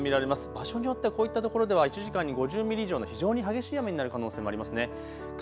場所によってはこういったところでは１時間に５０ミリ以上の非常に激しい雨になる可能性もありますね。